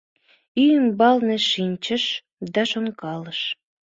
Ий ӱмбалне шинчыш да шонкалыш.